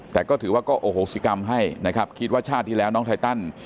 แต่ก็ถือว่าก็โอโหสิกรรมให้นะครับคิดว่าชาติที่แล้วน้องไทตัน